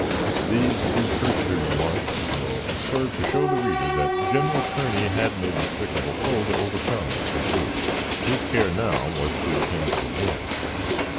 These few cursory remarks will serve to show the reader that General Kearney had no despicable foe to overcome and subdue. His care now was to attend to the wounded.